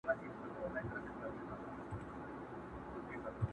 په افسانو کي به یادیږي ونه!٫.